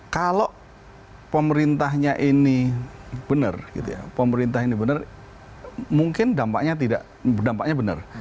kalau pemerintahnya ini benar mungkin dampaknya benar